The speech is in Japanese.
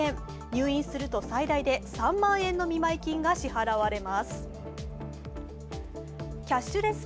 入院すると最大で３万円の見舞い金が支払われます。